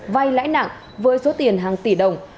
vay lãi nặng với số tiền hàng tỷ đồng